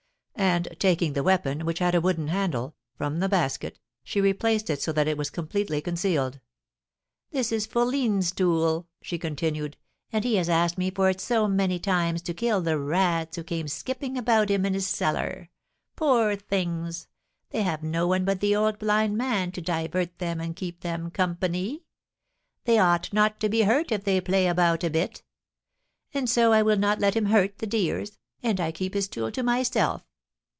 And taking the weapon, which had a wooden handle, from the basket, she replaced it so that it was completely concealed. "This is fourline's tool," she continued, "and he has asked me for it so many times to kill the rats who came skipping about him in his cellar. Poor things! They have no one but the old blind man to divert them and keep them company. They ought not to be hurt if they play about a bit; and so I will not let him hurt the dears, and I keep his tool to myself.